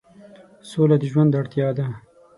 سوله د ژوند اړتیا ده.